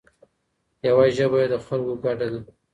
یوه ژبه یې د خلکو ګډه ده.